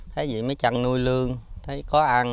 thế gì mới chăn nuôi lương thấy có ăn